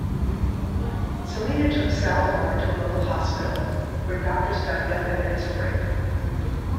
Selena took Saldivar to a local hospital, where doctors found no evidence of rape.